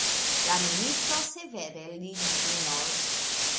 La ministro severe lin punos.